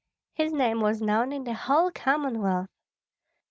His name was known in the whole Commonwealth.